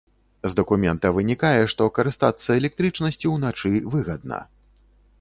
З дакумента вынікае, што карыстацца электрычнасцю ўначы выгадна.